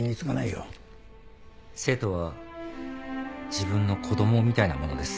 生徒は自分の子供みたいなものです。